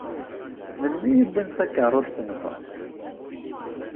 Melmi i wwint takeṛṛust-nkent?